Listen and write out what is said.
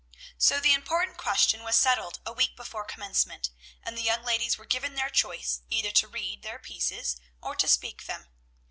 So the important question was settled a week before commencement, and the young ladies were given their choice, either to read their pieces or to speak them.